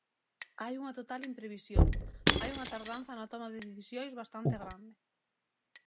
Hai unha total imprevisión, hai unha tardanza na toma de decisións bastante grande.